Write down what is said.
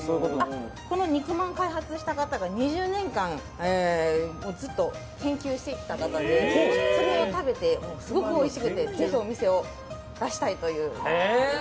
肉まんを開発した方が２０年間ずっと研究してきた方でそれを食べて、すごくおいしくてぜひお店を出したいという。